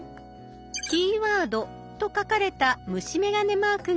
「キーワード」と書かれた虫眼鏡マークがあります。